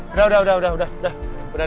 udah udah udah udah udah ada pemondongan